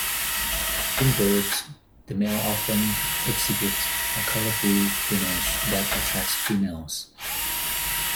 In birds, the male often exhibits a colorful plumage that attracts females.